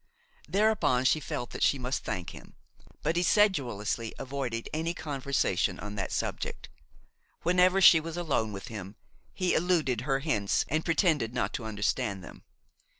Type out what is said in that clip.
Thereupon she felt that she must thank him; but he sedulously avoided any conversation on that subject; whenever she was alone with him, he eluded her hints and pretended not to understand them.